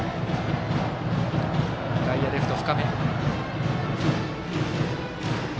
外野、レフト、深め。